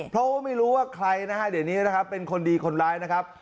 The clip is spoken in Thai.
เพราะไม่รู้ว่าใครเดี๋ยวนี้เป็นคนดีคนร้ายนะครับ